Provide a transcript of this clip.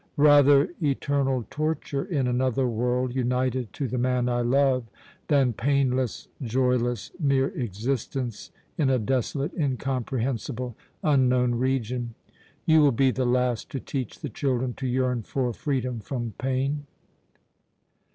Rather eternal torture in another world, united to the man I love, than painless, joyless mere existence in a desolate, incomprehensible, unknown region! You will be the last to teach the children to yearn for freedom from pain